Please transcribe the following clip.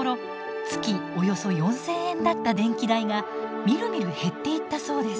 およそ４，０００円だった電気代がみるみる減っていったそうです。